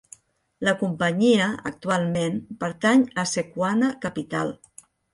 La companyia, actualment, pertany a Sequana Capital.